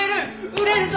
売れるぞ！